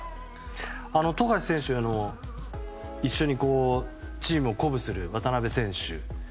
富樫選手への一緒にチームを鼓舞する渡邊選手。